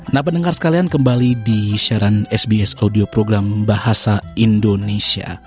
nah pendengar sekalian kembali di syaran sbs audio program bahasa indonesia